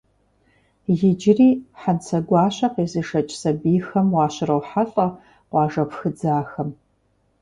Иджыри Хьэнцэгуащэ къезышэкӏ сэбийхэм уащырохьэлӏэ къуажэ пхыдзахэм.